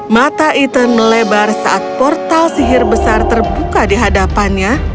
mata ethan melebar saat portal sihir besar terbuka di hadapannya